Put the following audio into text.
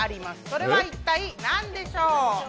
それは一体何でしょう？